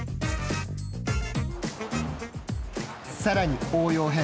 さらに応用編。